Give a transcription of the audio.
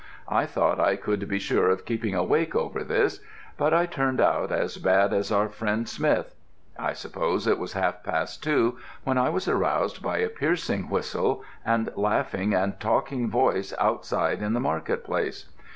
I thought I could be sure of keeping awake over this, but I turned out as bad as our friend Smith. I suppose it was half past two when I was roused by a piercing whistle and laughing and talking voices outside in the market place.